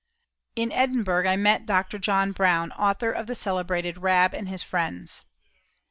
In Edinburgh I met Dr. John Brown, author of the celebrated "Rab and his Friends."